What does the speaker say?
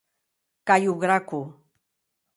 Cayo Graco.